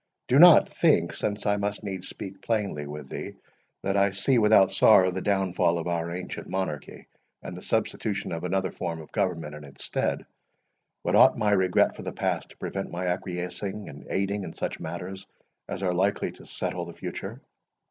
Do not think, since I must needs speak plainly with thee, that I see without sorrow the downfall of our ancient monarchy, and the substitution of another form of government in its stead; but ought my regret for the past to prevent my acquiescing and aiding in such measures as are likely to settle the future?